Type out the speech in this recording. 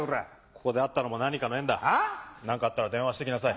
ここで会ったのも何かの縁だ何かあったら電話して来なさい。